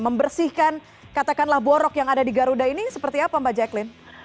membersihkan katakanlah borok yang ada di garuda ini seperti apa mbak jacqueline